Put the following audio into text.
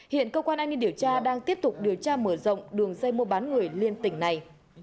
hiện cơ quan an ninh điều tra đang tiếp tục điều tra mở rộng đường dây mua bán người liên tỉnh này